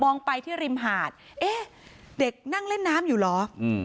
ไปที่ริมหาดเอ๊ะเด็กนั่งเล่นน้ำอยู่เหรออืม